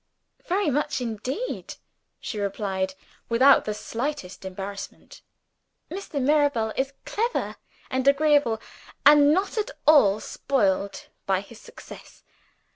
"Very much indeed," she replied, without the slightest embarrassment. "Mr. Mirabel is clever and agreeable and not at all spoiled by his success.